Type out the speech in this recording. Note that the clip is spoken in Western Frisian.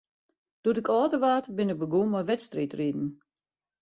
Doe't ik âlder waard, bin ik begûn mei wedstriidriden.